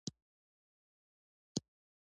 کندز سیند د افغانستان د ولایاتو په کچه توپیر لري.